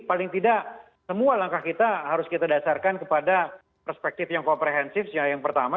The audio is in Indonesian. jadi paling tidak semua langkah kita harus kita dasarkan kepada perspektif yang komprehensif yang pertama